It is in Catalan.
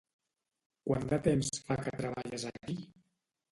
quant de temps fa que treballes aquí?